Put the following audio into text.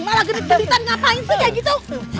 malah gedet gedetan ngapain sih kayak gitu